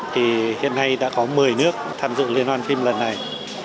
thì hiện nay đã có một mươi nước tham dự liên hoan phim lần này